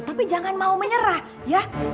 tapi jangan mau menyerah ya